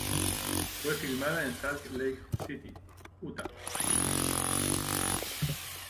Fue filmada en Salt Lake City, Utah.